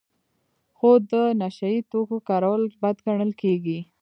خو د نشه یي توکو کارول بد ګڼل کیږي.